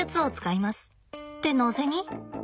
ってなぜに？